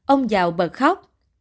ông giàu bật khóc